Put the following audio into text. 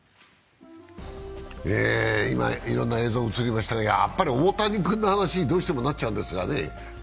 今いろんな映像映りましたが、どうしても大谷君の話になっちゃうんですがね